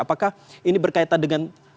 apakah ini berkaitan dengan